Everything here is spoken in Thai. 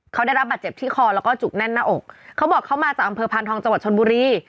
เขาได้รับบาดเจ็บที่คอแล้วก็จุกแน่นหน้าอกเขาบอกเขามาจากอำเภอพานทองจังหวัดชนบุรี